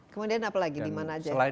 kemudian apalagi dimana aja wayang kulit